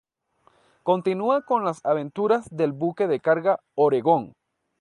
Continua con las aventuras del buque de carga "Oregón".